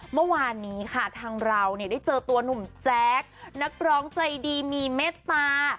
เมื่อวานนี้ค่ะทางเราเนี่ยได้เจอตัวหนุ่มแจ๊คนักร้องใจดีมีเมตตา